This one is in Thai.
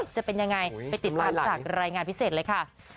จะเป็นยังไงไปติดตามจากรายงานพิเศษเลยค่ะ